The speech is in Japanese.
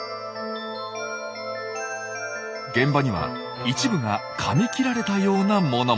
現場には一部がかみ切られたような物も。